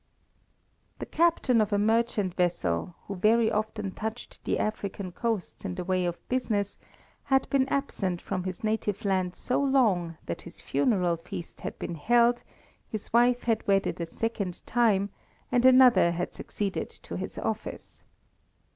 The captain of a merchant vessel, who very often touched the African coasts in the way of business, had been absent from his native land so long that his funeral feast had been held; his wife had wedded a second time, and another had succeeded to his office.